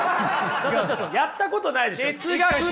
ちょっとちょっとやったことないでしょ！